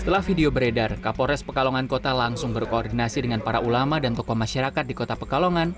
setelah video beredar kapolres pekalongan kota langsung berkoordinasi dengan para ulama dan tokoh masyarakat di kota pekalongan